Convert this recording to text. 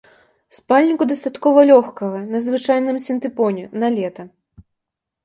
Спальніку дастаткова лёгкага, на звычайным сінтыпоне, на лета.